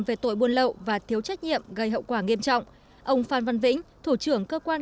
về tội buôn lậu và thiếu trách nhiệm gây hậu quả nghiêm trọng ông phan văn vĩnh thủ trưởng cơ quan